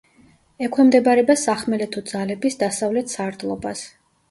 ექვემდებარება სახმელეთო ძალების დასავლეთ სარდლობას.